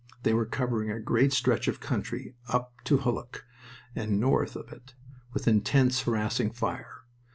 They were covering a great stretch of country up to Hulluch, and north of it, with intense harassing fire.